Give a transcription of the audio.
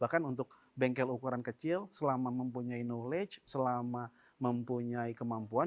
bahkan untuk bengkel ukuran kecil selama mempunyai knowledge selama mempunyai kemampuan